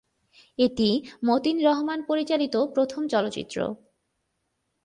এটি মতিন রহমান পরিচালিত প্রথম চলচ্চিত্র।